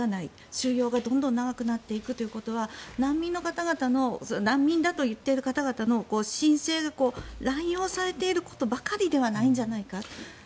収容がどんどん長くなっていくということは難民の方々の申請を乱用されていることばかりなんじゃないか。